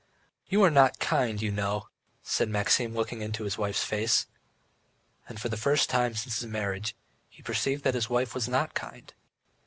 "You are not kind, you know ..." said Maxim, looking into his wife's face. And for the first time since his marriage he perceived that he wife was not kind.